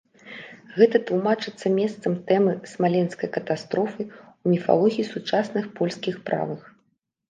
Гэта тлумачыцца месцам тэмы смаленскай катастрофы ў міфалогіі сучасных польскіх правых.